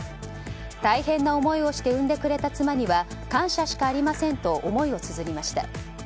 大変な思いをして産んでくれた妻には感謝しかありませんと思いをつづりました。